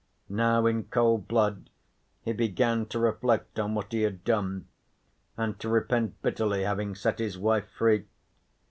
Now in cold blood he began to reflect on what he had done and to repent bitterly having set his wife free.